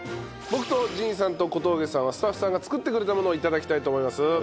僕と神さんと小峠さんはスタッフさんが作ってくれたものを頂きたいと思います。